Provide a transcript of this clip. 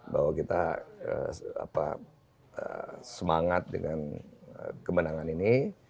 bahwa kita semangat dengan kemenangan ini